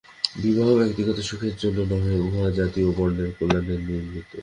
বিবাহ ব্যক্তিগত সুখের জন্য নহে, উহা জাতি ও বর্ণের কল্যাণের নিমিত্ত।